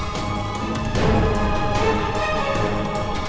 panasan menuk masih belum turun juga